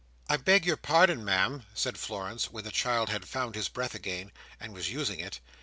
"I beg your pardon, Ma'am," said Florence, when the child had found his breath again, and was using it.